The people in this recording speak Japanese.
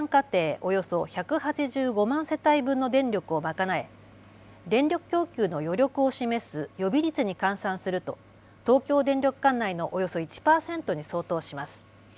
およそ１８５万世帯分の電力を賄え、電力供給の余力を示す予備率に換算すると東京電力管内のおよそ１％に相当します。